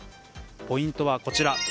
ポイントはこちら。